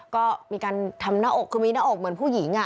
ก็มีการทำหน้าอกคือมีหน้าอกเหมือนผู้หญิง